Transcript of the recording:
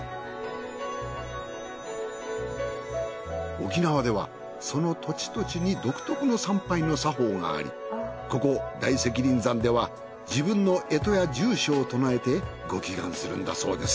沖縄ではその土地土地に独特の参拝の作法がありここ大石林山では自分の干支や住所を唱えてご祈願するんだそうです。